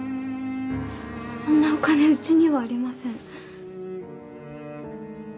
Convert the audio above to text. そんなお金うちにはありません。